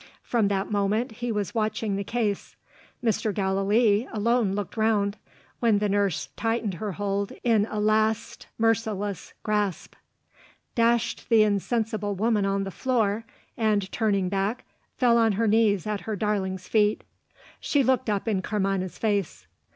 From that moment, he was watching the case. Mr. Gallilee alone looked round when the nurse tightened her hold in a last merciless grasp; dashed the insensible woman on the floor; and, turning back, fell on her knees at her darling's feet. She looked up in Carmina's face.